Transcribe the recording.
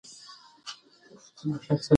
ژوند په موږ باندې ډول ډول کثافات غورځوي.